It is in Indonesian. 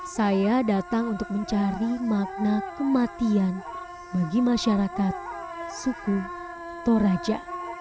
saya datang untuk mencari makna kematian bagi masyarakat suku toraja